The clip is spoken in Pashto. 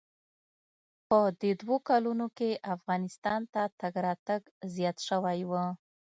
په دې دوو کلونو کښې افغانستان ته تگ راتگ زيات سوى و.